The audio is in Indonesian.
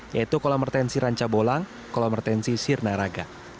yaitu kolam retensi ranca bolang kolam retensi sirna raga